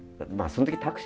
その時は。